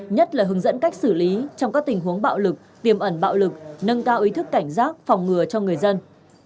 nhất là hướng dẫn cách xử lý trong các tình huống bạo lực tiềm ẩn bạo lực nâng cao ý thức cảnh giác phòng ngừa cho người dân